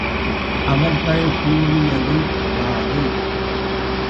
அவர்கள் கூறியது யாது?